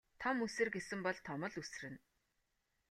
Том үсэр гэсэн бол том л үсэрнэ.